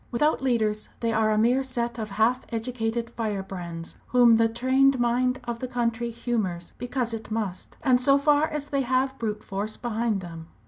Without leaders they are a mere set of half educated firebrands whom the trained mind of the country humours because it must, and so far as they have brute force behind them.